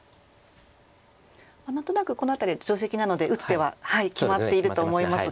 何となくこの辺りは定石なので打つ手は決まっていると思いますが。